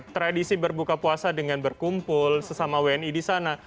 tradisi berbuka puasa dengan berkumpul sesama wni di sana